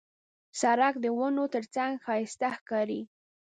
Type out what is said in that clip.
سړک د ونو ترڅنګ ښایسته ښکاري.